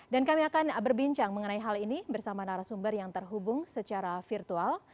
dan kami akan berbincang mengenai hal ini bersama narasumber yang terhubung secara virtual